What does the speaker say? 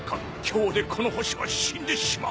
今日でこの星は死んでしまう！